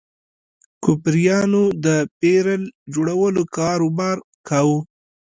کوپریانو د بیرل جوړولو کاروبار کاوه.